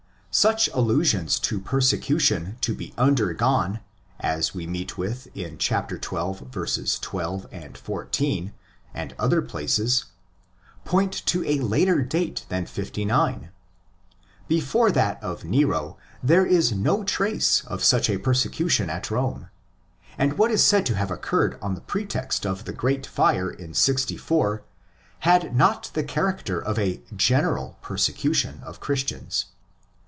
Such allusions to persecution to be undergone as we meet with in xii. 12, 14, and other places, point to a later date than 59. Before that of Nero there is no trace of such a persecution af Rome; and what is said to have occurred on the pretext of the great fire in 64 had not the character of a general persecution of Christians.